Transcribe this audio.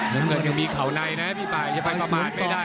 น้ำเงินยังมีเข่าในนะพี่ป่าอย่าไปประมาทไม่ได้